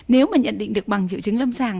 nếu mà nhận định được bằng triệu chứng lâm sàng